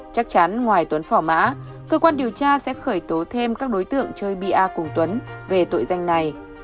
chắc chắn ngoài tuấn phỏ mã cơ quan điều tra sẽ khởi tố thêm các đối tượng chơi bi a cùng tuấn về tội danh này